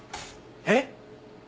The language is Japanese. えっ！？